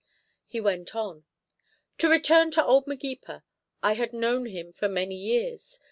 He went on: To return to old Magepa. I had known him for many years.